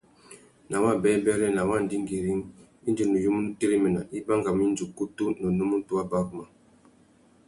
Nà wabêbêrê, nà wa ndingüîring, indi nuyumú nu téréména, i bangamú indi ukutu na unúmútú wá baruma.